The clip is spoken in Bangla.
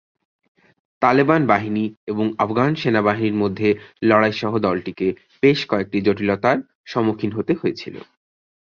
তালেবান বাহিনী এবং আফগান সেনাবাহিনীর মধ্যে লড়াই সহ দলটিকে বেশ কয়েকটি জটিলতার সম্মুখীন হতে হয়েছিল।